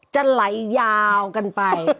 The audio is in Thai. จะไหลยาวกันไป